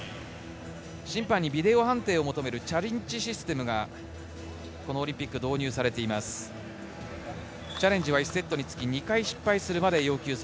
審判にビデオ判定を求めるチャレンジシステムがこのオリンピック、導入されています。